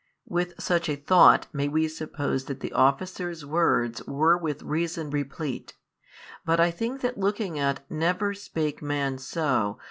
With such a thought may we suppose that the officers' words were with reason replete. But I think that looking at Never spake man so.